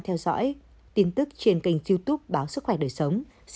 theo dõi tin tức trên kênh youtube báo sức khỏe đời sống xin chào và hẹn gặp lại